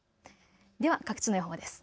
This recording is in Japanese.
では各地の予報です。